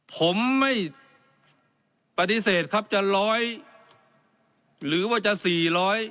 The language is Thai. ผมไม่ปฏิเสธครับจะร้อยหรือว่าจะสี่ร้อย